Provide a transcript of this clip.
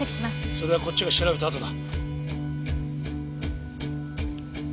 それはこっちが調べたあとだ。